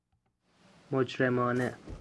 مجرمانه